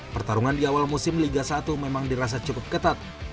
pertarungan di awal musim liga satu memang dirasa cukup ketat